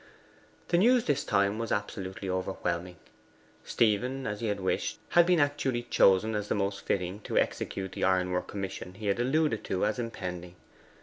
The news this time was absolutely overwhelming. Stephen, as he had wished, had been actually chosen as the most fitting to execute the iron work commission he had alluded to as impending.